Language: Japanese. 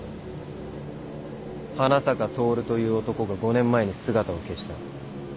花坂トオルという男が５年前に姿を消した。